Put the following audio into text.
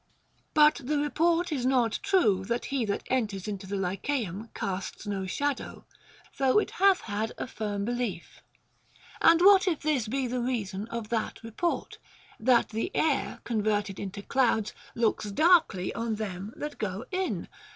But the report is not true that he that enters into the Lycaeum casts no shadow, though it hath had a firm belief. And what if this be the reason of that report, that the air converted into clouds looks darkly on them that go in